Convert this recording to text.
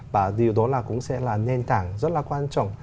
và điều đó là cũng sẽ là nền tảng rất là quan trọng